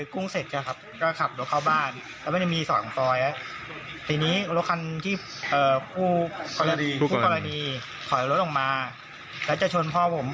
เขาเริ่มถุดตัวไหนบกว่านี้คอยรถออกมาแล้วเจอชนพ่อผม